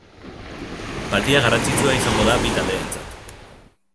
Partida garrantzitsua izango da bi taldeentzat.